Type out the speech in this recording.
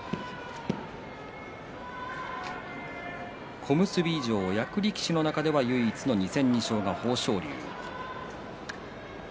小結以上、役力士の中では唯一の２戦２勝、豊昇龍。